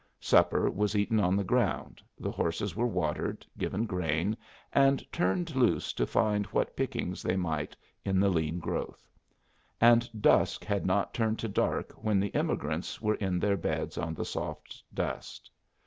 Supper was eaten on the ground, the horses were watered, given grain, and turned loose to find what pickings they might in the lean growth; and dusk had not turned to dark when the emigrants were in their beds on the soft dust.